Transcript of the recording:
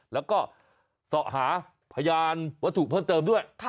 แล้วก็สอบหาพยานวัตถุเพิ่มเติมด้วย